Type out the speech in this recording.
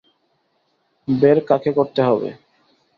বের কাকে করতে হবে?